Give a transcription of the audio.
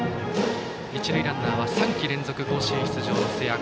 一塁ランナーは３季連続甲子園出場の瀬谷。